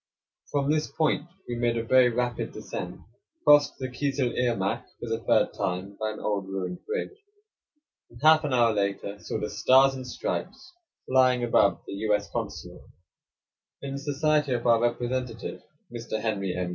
From this point we made a very rapid descent, 29 A KADI EXPOUNDING THE KORAN. crossed the Kizil Irmak for the third time by an old ruined bridge, and half an hour later saw the "stars and stripes" flying above the U. S. consulate. In the society of our representative, Mr. Henry M.